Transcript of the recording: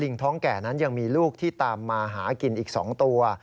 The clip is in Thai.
ท้องแก่นั้นยังมีลูกที่ตามมาหากินอีก๒ตัว